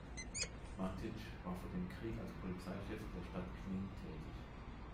Martić war vor dem Krieg als Polizeichef der Stadt Knin tätig.